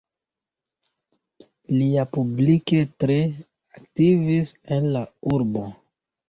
Li ja publike tre aktivis en la urbo.